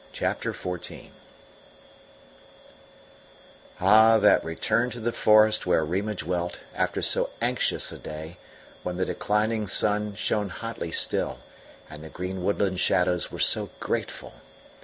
CHAPTER XIV Ah, that return to the forest where Rima dwelt, after so anxious day, when the declining sun shone hotly still, and the green woodland shadows were so grateful!